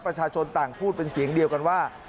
ประชาชนต่างพูดเป็นเสียงเดียวกันว่า